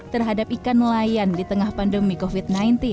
terhadap ikan nelayan di tengah pandemi covid sembilan belas